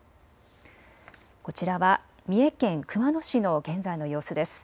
こちらは三重県熊野市の現在の様子です。